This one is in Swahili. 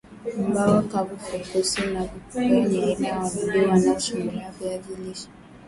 mbawa kavu fukusi na vipepeo ni aina ya wadudu wanaoshambulia viazi lishe